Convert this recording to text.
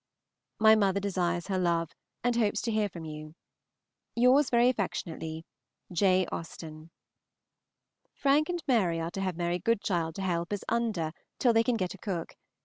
My mother desires her love, and hopes to hear from you. Yours very affectionately, J. AUSTEN. Frank and Mary are to have Mary Goodchild to help as Under till they can get a cook.